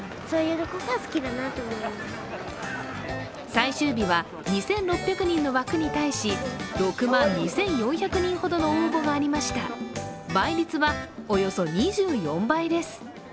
最終日は２６００人の枠に対し、６万２４００人ほどの応募がありました倍率はおよそ２４倍です。